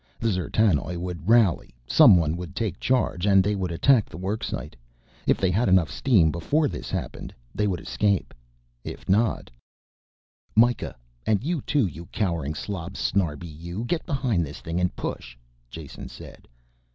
The D'zertanoj would rally, someone would take charge, and they would attack the worksite. If they had enough steam before this happened, they would escape. If not "Mikah, and you, too, you cowering slob Snarbi you, get behind this thing and push," Jason said.